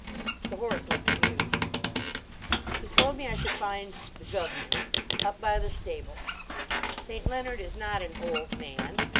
The horse looked amused. He told me I should find "the gov'nor" up by the stables. St. Leonard is not an "old man."